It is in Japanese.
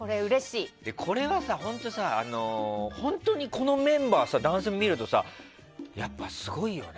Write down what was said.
これは本当に、このメンバー男性も見るとさやっぱすごいよね。